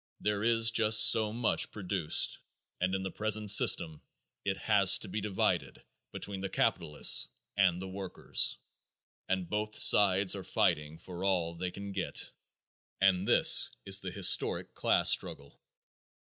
There is just so much produced, and in the present system it has to be divided between the capitalists and the workers, and both sides are fighting for all they can get, and this is the historic class struggle.